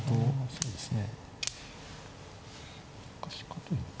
そうですね。